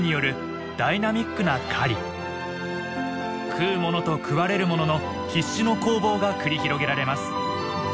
食うものと食われるものの必死の攻防が繰り広げられます。